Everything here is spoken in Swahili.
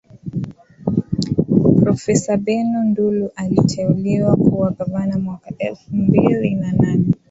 profesa benno ndulu aliteuliwa kuwa gavana mwaka elfu mbili na nane